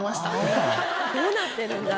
「どうなってるんだ？」